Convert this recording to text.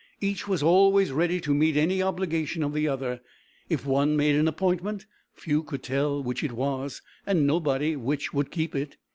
Each was always ready to meet any obligation of the other. If one made an appointment, few could tell which it was, and nobody which would keep it.